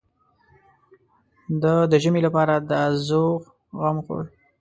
ده د ژمي لپاره د ازوغ غم خوړ.